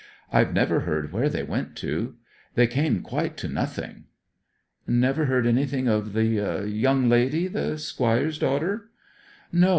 I've never heard where they went to. They came quite to nothing.' 'Never heard anything of the young lady the Squire's daughter?' 'No.